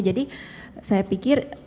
jadi saya pikir